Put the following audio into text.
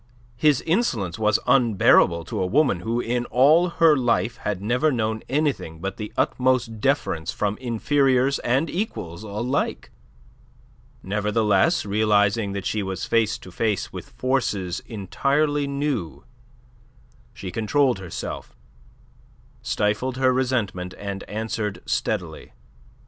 His insolence was unbearable to a woman who in all her life had never known anything but the utmost deference from inferiors and equals alike. Nevertheless, realizing that she was face to face with forces entirely new, she controlled herself, stifled her resentment, and answered steadily.